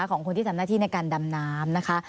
ของคนที่ทำหน้าที่ในการดำน้ำนะคะ